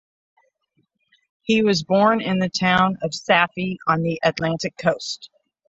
He was born in the town of Safi on the Atlantic coast.